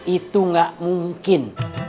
itu gak mungkin